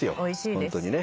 ホントにね。